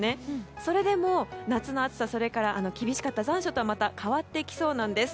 それでも夏の暑さそれから厳しかった残暑とはまた変わってきそうなんです。